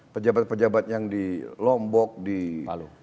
pejabat pejabat yang di lombok di palu di masjid